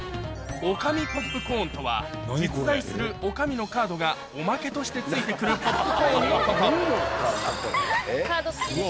女将ポップコーンとは実在する女将のカードがおまけとして付いてくるポップコーンのことカード付きですよ。